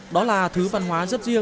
đó là thứ văn hóa rất riêng